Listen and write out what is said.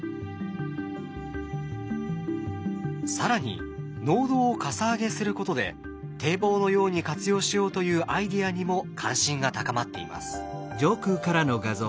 更に農道をかさ上げすることで堤防のように活用しようというアイデアにも関心が高まっています。